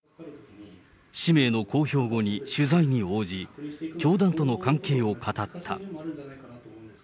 氏名の公表後に取材に応じ、教団との関係を語った。